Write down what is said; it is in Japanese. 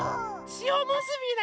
しおむすびね！